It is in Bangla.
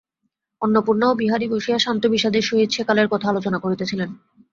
অন্নপূর্ণা ও বিহারী বসিয়া শান্ত বিষাদের সহিত সেকালের কথা আলোচনা করিতেছিলেন।